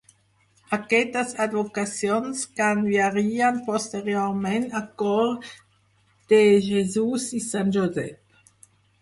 Aquestes advocacions canviarien posteriorment a Cor de Jesús i Sant Josep.